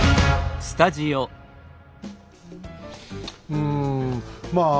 うんまあ